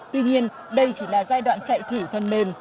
tuy nhiên đây chỉ là giai đoạn chạy thử thân mên